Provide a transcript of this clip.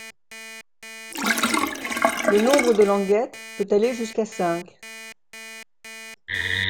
Le nombre de languettes peut aller jusqu'à cinq.